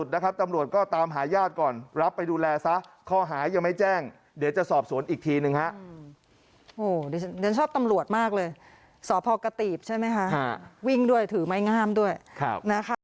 โดยความหายาดก่อนรับไปดูแลซะข้อหายยังไม่แจ้งเดี๋ยวจะสอบสวนอีกทีหนึ่งฮะโอ้เดี๋ยวชอบตำรวจมากเลยสอบพอกตีบใช่ไหมคะวิ่งด้วยถือไม้งามด้วยครับนะครับ